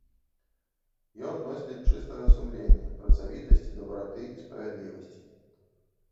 Ён носьбіт чыстага сумлення, працавітасці, дабраты і справядлівасці.